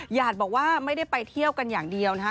ญาติบอกว่าไม่ได้ไปเที่ยวกันอย่างเดียวนะคะ